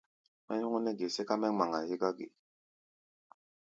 Mɛ́ nyɔ́ŋ nɛ́ ge sɛ́ká mɛ́ ŋmaŋa hégɔ́ ge?